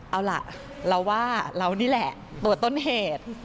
เอาล่ะเราว่าเรานี่แหละตัวต้นเหตุ